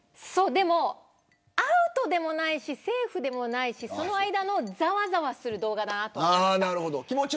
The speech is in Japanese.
でもアウトでもないしセーフでもないしその間のざわざわする動画だなと思いました。